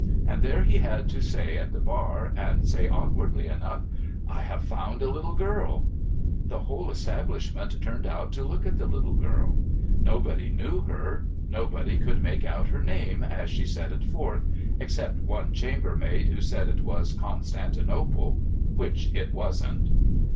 And there he had to say at the bar, and said awkwardly enough :' I have found a little girl !' The whole establishment turned out to look at the litUe girl. Nobody knew her ; nobody could make out her name, as she set it forth — except one chambermaid, who said it was Constantinople — which it wasn't.